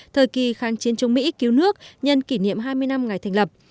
thời kỳ kháng chiến chống mỹ cứu nước nhân kỷ niệm hai mươi năm ngày thành lập